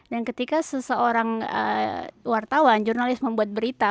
dan ketika seseorang wartawan jurnalis membuat berita